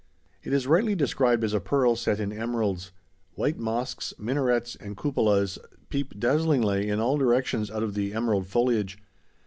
It is rightly described as a pearl set in emeralds. White mosques, minarets, and cupolas peep dazzlingly in all directions out of the emerald foliage.